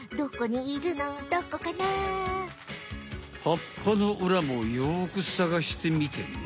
はっぱのうらもよくさがしてみてね。